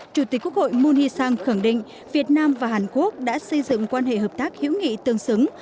chủ tịch quốc hội moon hee sang khẳng định việt nam và hàn quốc đã xây dựng quan hệ hợp tác hữu nghị tương xứng